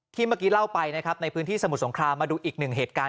เมื่อกี้เล่าไปนะครับในพื้นที่สมุทรสงครามมาดูอีกหนึ่งเหตุการณ์